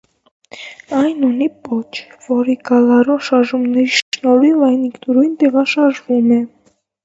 Այն ունի պոչ, որի գալարուն շարժումների շնորհիվ այն ինքնուրույն տեղաշարժվում է։